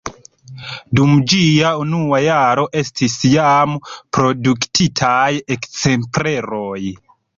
Dum ĝia unua jaro estis jam produktitaj ekzempleroj.